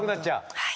はい。